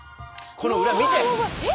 この裏見て！